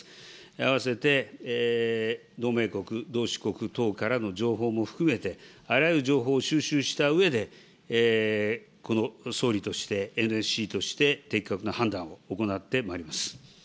あわせて、同盟国、同志国等からの情報も含めて、あらゆる情報を収集したうえで、この総理として、ＮＳＣとして的確な判断を行ってまいります。